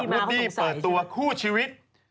วูดดี้เปิดตัวคู่ชีวิต